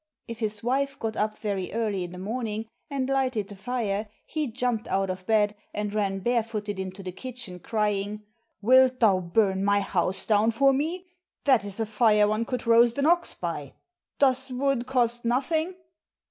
If his wife got up very early in the morning and lighted the fire, he jumped out of bed, and ran bare footed into the kitchen, crying, "Wilt thou burn my house down for me? That is a fire one could roast an ox by! Does wood cost nothing?"